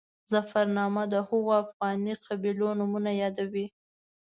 ظفرنامه د هغو افغاني قبیلو نومونه یادوي.